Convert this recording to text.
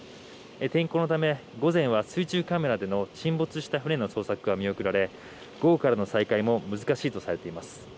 天候のため午前は水中カメラでの沈没した船の捜索は見送られ午後からの再開も難しいとされています。